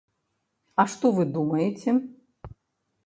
А што вы думаеце.